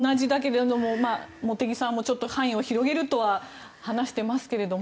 それに同じだけれども茂木さんも範囲を広げるとは話していますけど。